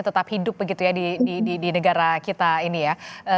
tetap hidup begitu ya di negara kita ini ya